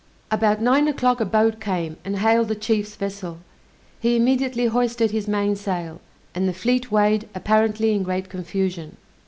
About nine o'clock a boat came and hailed the chief's vessel; he immediately hoisted his mainsail, and the fleet weighed apparently in great confusion.